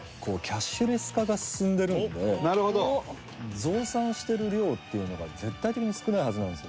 増産してる量っていうのが絶対的に少ないはずなんですよ。